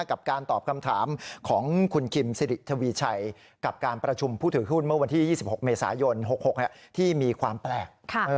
กับการตอบคำถามของคุณคิมสิริทวีชัยกับการประชุมผู้ถือหุ้นเมื่อวันที่๒๖เมษายน๖๖ที่มีความแปลก